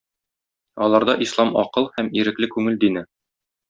Аларда ислам акыл һәм ирекле күңел дине.